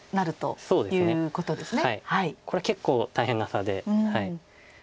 これは結構大変な差で。